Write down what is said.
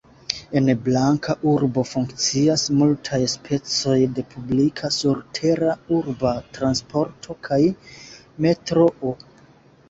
En Blanka urbo funkcias multaj specoj de publika surtera urba transporto kaj metroo.